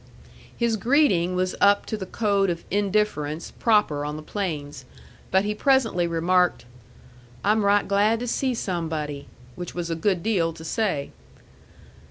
His greeting was up to the code of indifference proper on the plains; but he presently remarked, "I'm right glad to see somebody," which was a good deal to say.